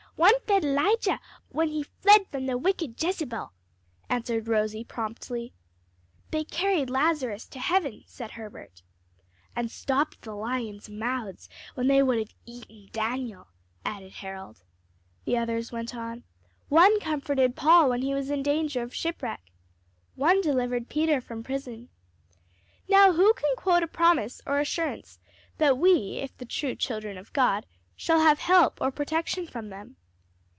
"One fed Elijah when he fled from wicked Jezebel," answered Rosie, promptly. "They carried Lazarus to heaven," said Herbert. "And stopped the lions' mouths when they would have eaten Daniel," added Harold. The others went on, "One comforted Paul when he was in danger of shipwreck." "One delivered Peter from prison." "Now who can quote a promise or assurance that we, if the true children of God, shall have help or protection from them?"